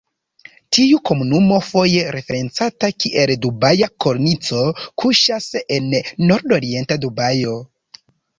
Tiu komunumo, foje referencata kiel Dubaja Kornico, kuŝas en nordorienta Dubajo.